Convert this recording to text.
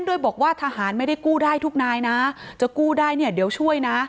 โดยบอกว่าทหารไม่ได้กู้ได้ทุกนายนะจะกู้ได้เนี่ยเดี๋ยวช่วยนะ